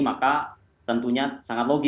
maka tentunya sangat logis